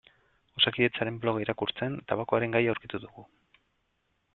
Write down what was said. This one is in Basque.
Osakidetzaren bloga irakurtzen tabakoaren gaia aurkitu dugu.